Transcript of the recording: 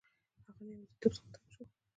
هغه له یوازیتوب څخه تنګ شو.